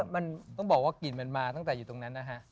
มันต้องบอกว่ากลิ่นมันมาตั้งแต่อยู่ตรงนั้นนะฮะ